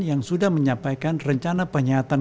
yang sudah menyampaikan rencana penyihatan